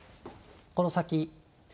この先。